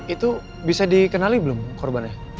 itu bisa dikenali belum korbannya